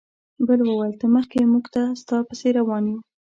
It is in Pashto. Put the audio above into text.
بل وویل ته مخکې موږ ستا پسې روان یو.